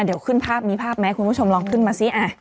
เดี๋ยวขึ้นภาพมีภาพไหมคุณผู้ชมลองขึ้นมาสิ